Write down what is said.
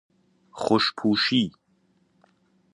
خوشپوشی